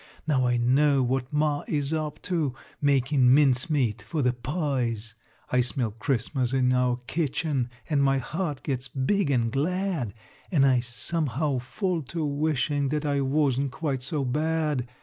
Now I know what ma is up to Makin' mincemeat for the pies. I smell Christmas in our kitchen, An' my heart gets big an' glad, An' I, somehow, fall to wishin', That I wasn't quite so bad.